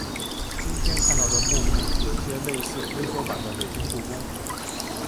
今天看到的木府有些类似微缩版的北京故宫。